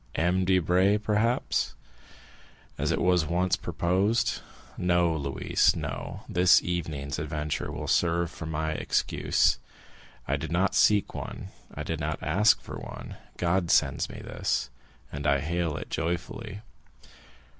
—M. Debray, perhaps, as it was once proposed. No, Louise, no! This evening's adventure will serve for my excuse. I did not seek one, I did not ask for one. God sends me this, and I hail it joyfully!"